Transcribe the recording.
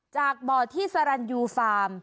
จากบอร์ที่สแลรันยูฟาร์ม